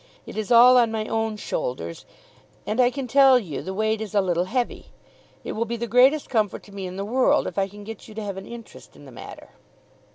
It is all on my own shoulders, and I can tell you the weight is a little heavy. It will be the greatest comfort to me in the world if I can get you to have an interest in the matter."